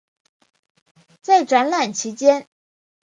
在展览期间。